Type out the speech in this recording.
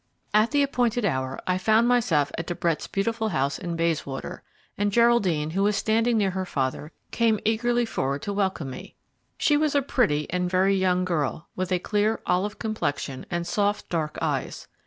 At the appointed hour, I found myself at De Brett's beautiful house in Bayswater, and Geraldine, who was standing near her father, came eagerly forward to welcome me. She was a pretty and very young girl, with a clear, olive complexion and soft, dark eyes.